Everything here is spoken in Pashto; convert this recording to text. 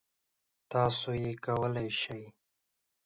تاسو یې کولی شئ!